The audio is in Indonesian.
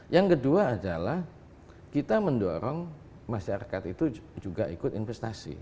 yang kedua adalah kita mendorong masyarakat itu juga ikut investasi